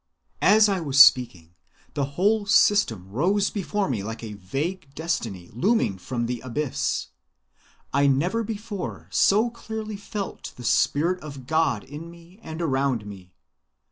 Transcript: As I was speaking, the whole system rose up before me like a vague destiny looming from the Abyss. I never before so clearly felt the Spirit of God in me and around me.